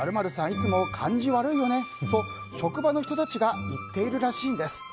いつも感じ悪いよねと職場の人たちが言っているらしいんです。